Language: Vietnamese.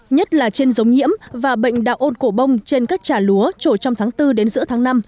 nhất là trên giống nhiễm và bệnh đạo ôn cổ bông trên các trà lúa trổ trong tháng bốn đến giữa tháng năm